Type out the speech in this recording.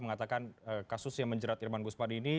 mengatakan kasus yang menjerat irman gus padi ini